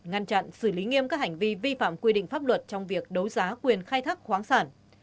ngăn chặn xử lý nghiêm các hành vi vi phạm quy định pháp luật trong việc đấu giá quyền khai thác khoáng sản